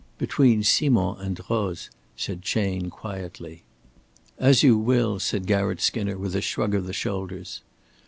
"Between Simond and Droz," said Chayne, quietly. "As you will," said Garratt Skinner with a shrug of the shoulders.